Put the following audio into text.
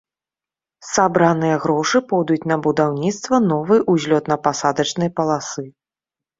Сабраныя грошы пойдуць на будаўніцтва новай узлётна-пасадачнай паласы.